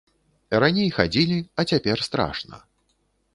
Раней хадзілі, а цяпер страшна.